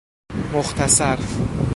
مختصر